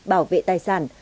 bảo vệ tài sản